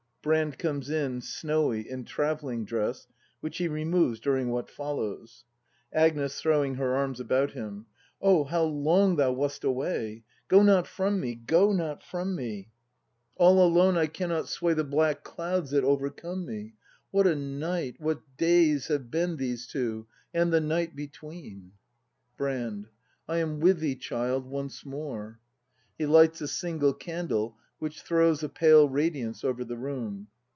Brand comes in, sncnvy, in travelling dress, which he re moves during what follows. Agnes. [Throwing her arms about him.] Oh, how long thou wast away! Go not from me, go not from me; 153 154 BRAND [act iv All alone I cannot sway The black clouds that overcome me; What a night, what days have been These two — and the night between! Brand, I am with thee, child, once more. [He lights a single candle, which throws a pale radiance over the room.